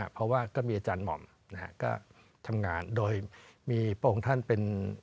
เพราะว่าก็มีอาจารย์หม่อมก็ทำงานโดยมีพระองค์ท่านเป็น